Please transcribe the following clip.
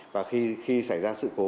và khi xảy ra sự cố